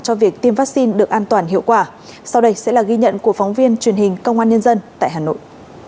cho việc tiêm vaccine được an toàn hiệu quả sau đây sẽ là ghi nhận của phóng viên truyền hình công an nhân dân tại hà nội